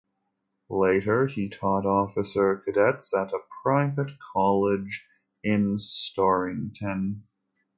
Later he taught officer cadets at a private college in Storrington.